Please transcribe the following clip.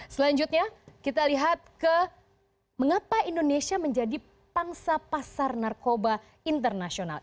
selanjutnya kita lihat ke mengapa indonesia menjadi pangsa pasar narkoba internasional